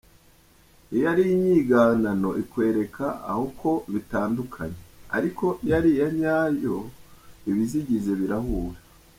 Iyo ari inyiganano ikwereka aho ko bitandukanye, ariko iyo ari iya nyayo ibizigize birahura.